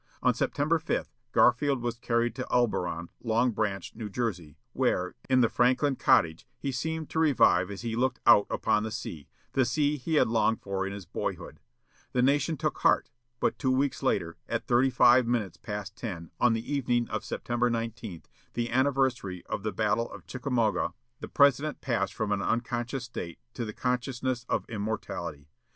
On September 5, Garfield was carried to Elberon, Long Branch, New Jersey, where, in the Francklyn Cottage, he seemed to revive as he looked out upon the sea, the sea he had longed for in his boyhood. The nation took heart. But two weeks later, at thirty five minutes past ten, on the evening of September 19, the anniversary of the battle of Chickamauga, the President passed from an unconscious state to the consciousness of immortality.